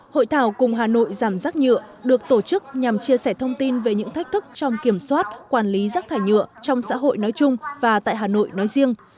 hội thảo cùng hà nội giảm rác nhựa được tổ chức nhằm chia sẻ thông tin về những thách thức trong kiểm soát quản lý rác thải nhựa trong xã hội nói chung và tại hà nội nói riêng